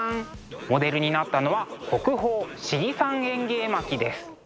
モデルになったのは国宝「信貴山縁起絵巻」です。